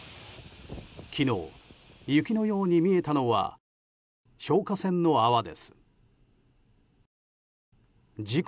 昨日、雪のように見えたのは消火栓の泡です。